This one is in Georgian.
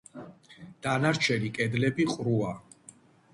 დანარჩენი კედლები ყრუა.